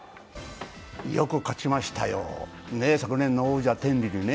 よく勝ちましたよ、昨年の王者・天理にね。